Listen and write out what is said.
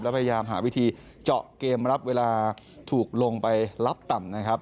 พยายามหาวิธีเจาะเกมรับเวลาถูกลงไปรับต่ำนะครับ